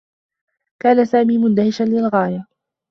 كان سامي مندهشا للغاية.